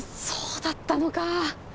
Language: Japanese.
そうだったのか